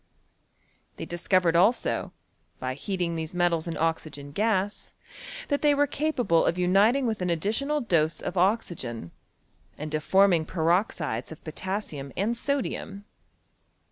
They discovered also, by heating these metals in oxygen gas, that they were capable of uniting with an additional dose of oxygen, and of forming per oxides of potassium and sodium.